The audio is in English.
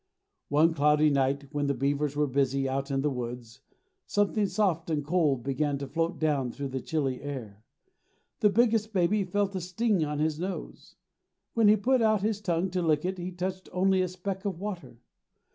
One cloudy night, when the beavers were busy out in the woods, something soft and cold began to float down through the chilly air. The biggest baby felt a sting on his nose. When he put out his tongue to lick it he touched only a speck of water.